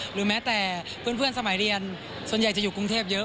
หรือแม้แต่เพื่อนสมัยเรียนส่วนใหญ่จะอยู่กรุงเทพเยอะ